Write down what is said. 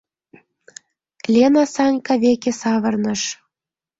Лена Санька веке савырныш.